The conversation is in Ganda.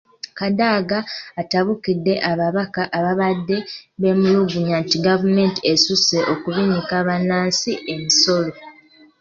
Kadaga atabukidde ababaka ababadde beemulugunya nti gavumenti esusse okubinika bannansi emisolo.